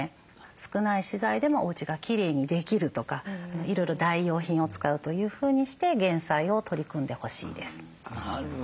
少ない資材でもおうちがきれいにできるとかいろいろ代用品を使うというふうにして減災を取り組んでほしいです。